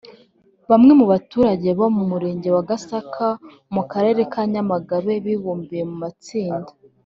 Bamwe mu baturage bo mu Murenge wa Gasaka mu Karere ka Nyamagabe bibumbiye mu matsinda